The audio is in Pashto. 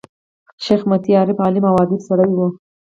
شېخ متي عارف، عالم او اديب سړی وو.